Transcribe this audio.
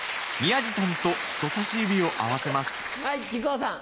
はい木久扇さん。